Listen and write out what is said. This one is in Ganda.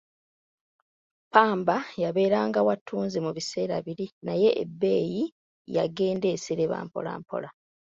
Ppamba yabeeranga wa ttunzi mu biseera biri naye ebbeeyi yagenda esereba mpola mpola.